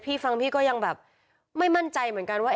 ฟังพี่ก็ยังแบบไม่มั่นใจเหมือนกันว่า